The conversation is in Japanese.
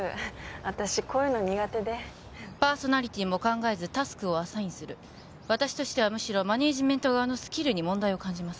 私こういうの苦手でパーソナリティーも考えずタスクをアサインする私としてはむしろマネージメント側のスキルに問題を感じますが